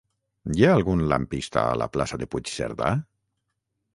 Hi ha algun lampista a la plaça de Puigcerdà?